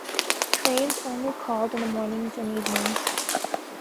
Trains only called in the mornings and evenings.